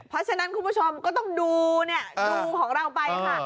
เพราะฉะนั้นคุณผู้ชมก็ต้องดูเนี่ยดูของเราไปค่ะ